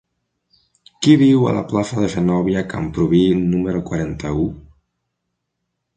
Qui viu a la plaça de Zenòbia Camprubí número quaranta-u?